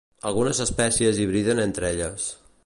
Algunes espècies hibriden entre elles.